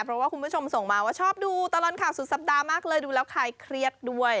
เพราะว่าคุณผู้ชมส่งมาว่าชอบดูตลอดข่าวสุดสัปดาห์มากเลยดูแล้วคลายเครียดด้วย